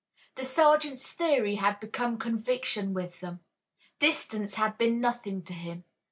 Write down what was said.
The sergeant's theory had become conviction with them. Distance had been nothing to him.